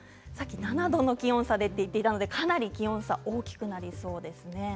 さっき７度の気温差でと言っていたのでかなり気温差大きくなりそうですね。